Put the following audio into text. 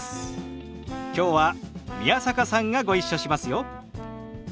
きょうは宮坂さんがご一緒しますよ。